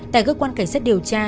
tại cơ quan cảnh sát điều tra